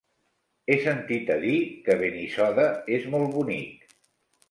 He sentit a dir que Benissoda és molt bonic.